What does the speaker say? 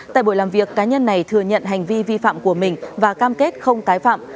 tại buổi làm việc cá nhân này thừa nhận hành vi vi phạm của mình và cam kết không tái phạm